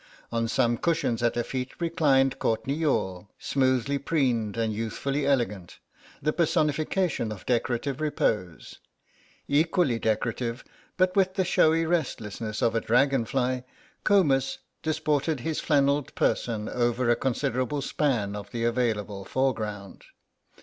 On some cushions at her feet reclined Courtenay Youghal, smoothly preened and youthfully elegant, the personification of decorative repose; equally decorative, but with the showy restlessness of a dragonfly, Comus disported his flannelled person over a considerable span of the available foreground.